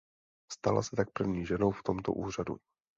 Stala se tak první ženou v tomto úřadu.